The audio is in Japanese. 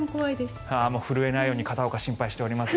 震えないように片岡、心配しております